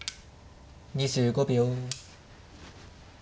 ２５秒。